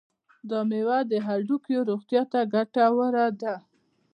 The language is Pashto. دا میوه د هډوکو روغتیا ته ګټوره ده.